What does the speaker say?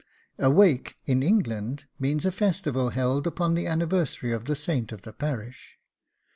A wake in England means a festival held upon the anniversary of the saint of the parish.